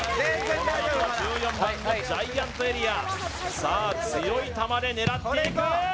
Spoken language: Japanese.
このあと１４番のジャイアントエリアさあ強い球で狙っていく